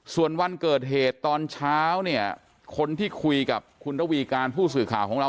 ส่วนวันเกิดเหตุตอนเช้าเนี่ยคนที่คุยกับคุณระวีการผู้สื่อข่าวของเรา